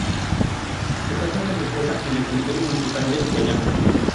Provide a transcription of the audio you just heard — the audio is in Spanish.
Está junto a su esposa en el "Cementerio Municipal de Guayama".